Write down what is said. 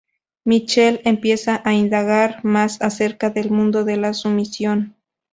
Michelle empieza a indagar más acerca del mundo de la sumisión.